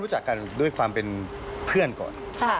รู้จักกันด้วยความเป็นเพื่อนก่อน